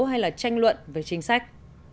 hay là tranh luận về chính sách